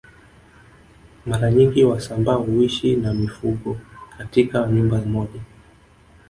Mara nyingi wasambaa huishi na mifugo katika nyumba moja